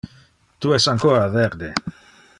Tu es ancora verde.